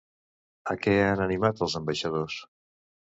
A què ha animat als ambaixadors?